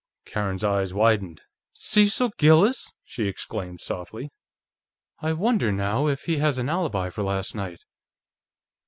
Karen's eyes widened. "Cecil Gillis!" she exclaimed softly. "I wonder, now, if he has an alibi for last night!"